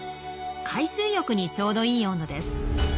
海水浴にちょうどいい温度です。